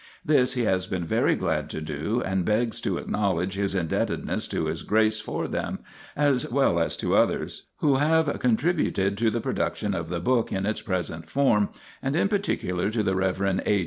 This he has been very glad to do, and begs to acknowledge his indebtedness to his Grace for them, as well as to others who have con tributed to the production of the book in its present form, and in particular to the Rev. A.